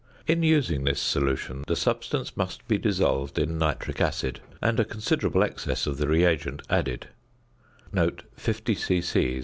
In using this solution the substance must be dissolved in nitric acid, and a considerable excess of the reagent added (50 c.c.